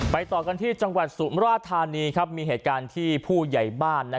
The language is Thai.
ต่อกันที่จังหวัดสุมราชธานีมีเหตุการณ์ที่ผู้ใหญ่บ้าน